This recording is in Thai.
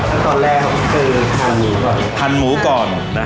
ขั้นตอนแรกก็คือทรัลหนูขน